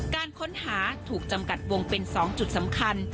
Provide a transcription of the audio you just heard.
การค้นหาถูกจำกัดวงเป็น๒จุดสำคัญ